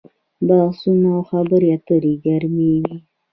بحثونه او خبرې اترې ګرمې وي.